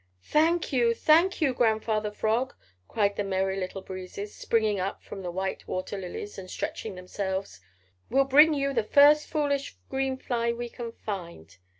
"Thank you, thank you, Grandfather Frog!" cried the Merry Little Breezes, springing up from the white water lilies and stretching themselves. "We'll bring you the first foolish green fly we can find."